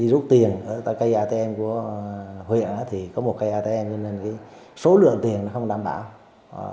rút tiền tại cây atm của huyện thì có một cây atm nên số lượng tiền không đảm bảo